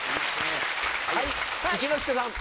はい一之輔さん。